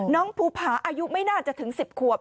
ภูผาอายุไม่น่าจะถึง๑๐ขวบ